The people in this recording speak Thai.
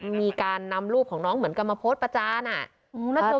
มีการนำรูปของน้องเหมือนกับมาโพสต์ประจานอ่ะ